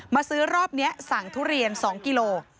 ซื้อรอบนี้สั่งทุเรียน๒กิโล